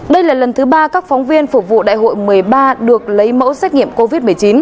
đây là lần thứ ba các phóng viên phục vụ đại hội một mươi ba được lấy mẫu xét nghiệm covid một mươi chín